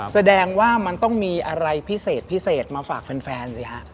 แสดงว่ามันต้องมีอะไรพิเศษพิเศษมาฝากแฟนสิฮะ